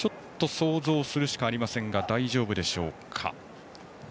想像するしかありませんが大丈夫でしょうか。